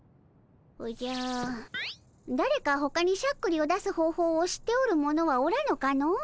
おじゃだれかほかにしゃっくりを出す方法を知っておる者はおらぬかの？